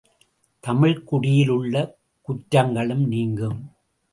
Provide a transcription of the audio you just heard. தமிழ்க்குடியில் உள்ள குற்றங்களும் நீங்கும்!